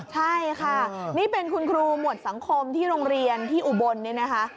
ใช่ค่ะนี่เป็นคุณครูหมวดสังคมที่โรงเรียนที่อุบลเนี่ยนะคะ